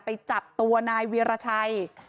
ไปจับตัวนายเวียรชัย